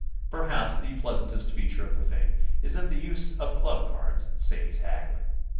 Perhaps the pleasantest feature of the thing is that the use of Club cards saves haggling.